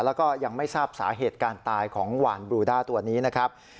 แล้วก็ยังไม่ทราบสาเหตุการตายของหวานบลูด้าตัวนี้นะครับ